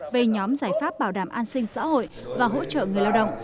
về nhóm giải pháp bảo đảm an sinh xã hội và hỗ trợ người lao động